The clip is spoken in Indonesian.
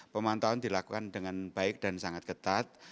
pemantauan dilakukan dengan baik dan sangat ketat